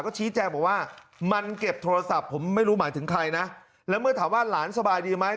ก็ชี้แจงบอกว่ามันเก็บโทรศัพท์ผมไม่รู้หมายถึงใครนะแล้วเมื่อถามว่าหลานสบายดีไหม